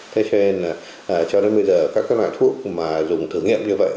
thế cho nên là cho đến bây giờ các loại thuốc mà dùng thử nghiệm như vậy